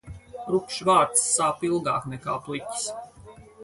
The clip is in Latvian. Rupjš vārds sāp ilgāk nekā pliķis.